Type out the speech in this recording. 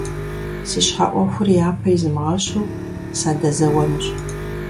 Си щхьэ Ӏуэхур япэ измыгъэщу, садэзэуэнущ.